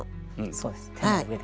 そうです手の上で。